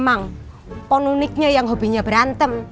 emang ponuniknya yang hobinya berantem